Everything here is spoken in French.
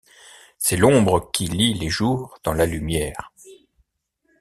C'est l'ombre qui lie les jours dans la lumière...